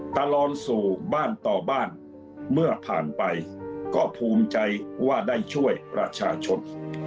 ตลอดสู่บ้านต่อบ้านเมื่อผ่านไปก็ภูมิใจว่าได้ช่วยประชาชน